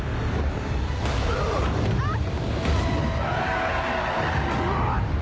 あっ！